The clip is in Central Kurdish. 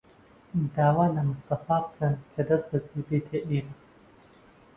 داوا لە مستەفا بکەن کە دەستبەجێ بێتە ئێرە.